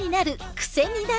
クセになる！